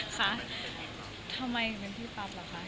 คะทำไมเป็นพี่ต๊อปเหรอคะ